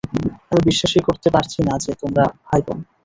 আমি বিশ্বাসই করতে পারছি না যে তোমরা ভাই-বোন।